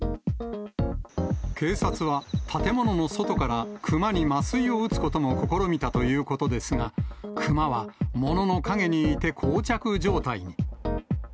警察は、建物の外からクマに麻酔を打つことも試みたということですが、クマはものの陰にいてこう着状態に。